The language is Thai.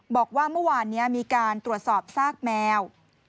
บอกว่าเมื่อวานนี้มีการตรวจสอบซากแมว